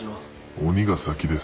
鬼が先です。